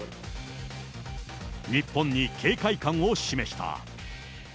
日本に警戒感を示した。